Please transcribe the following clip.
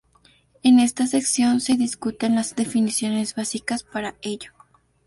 En esta sección se discuten las definiciones básicas para ello.